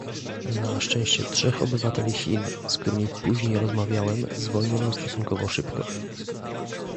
Na szczęście trzech obywateli Chin, z którymi później rozmawiałem zwolniono stosunkowo szybko